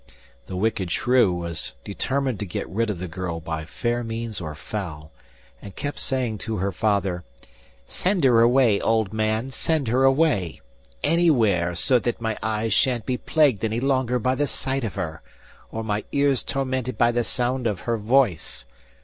The wicked shrew was determined to get rid of the girl by fair means or foul, and kept saying to her father: 'Send her away, old man; send her away anywhere so that my eyes sha'n't be plagued any longer by the sight of her, or my ears tormented by the sound of her voice.